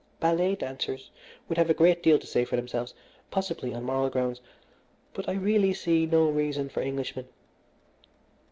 Ballet dancers would have a great deal to say for themselves, possibly on moral grounds; but I really see no reason for Englishmen.